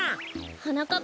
はなかっ